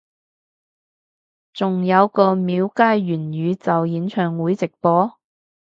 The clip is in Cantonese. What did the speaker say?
仲有個廟街元宇宙演唱會直播？